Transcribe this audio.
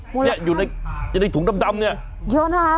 เนี้ยอยู่ในถุงดำนเนี่ย